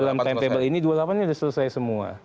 dalam timetable ini dua puluh delapan ini sudah selesai semua